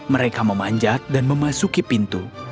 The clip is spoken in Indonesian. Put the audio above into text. mereka memanjat dan memasuki pintu